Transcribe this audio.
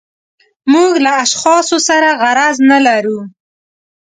موږ له اشخاصو سره غرض نه لرو.